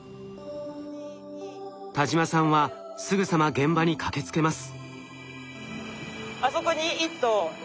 田島さんはすぐさま現場に駆けつけます。